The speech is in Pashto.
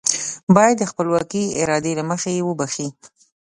بايد د خپلواکې ارادې له مخې يې وبښي.